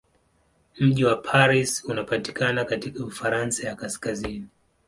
Mji wa Paris unapatikana katika Ufaransa ya kaskazini.